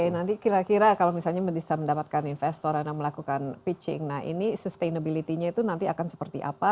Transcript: oke nanti kira kira kalau misalnya bisa mendapatkan investor anda melakukan pitching nah ini sustainability nya itu nanti akan seperti apa